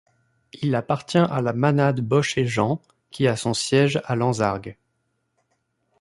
Il appartient à la manade Boch et Jean, qui a son siège à Lansargues.